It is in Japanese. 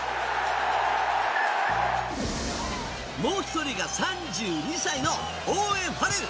もう１人が３２歳のオーウェン・ファレル。